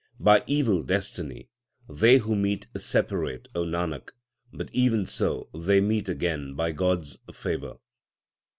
By evil destiny they who meet separate, O Nanak, but even so they meet again by God s favour.